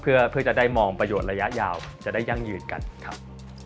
เพื่อจะได้มองประโยชน์ระยะยาวจะได้ยั่งยืนกันครับ